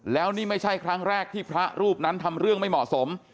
แล้วนี่ไม่ใช่ครั้งแรกที่พระรูปนั้นทำเรื่องไม่เหมาะสม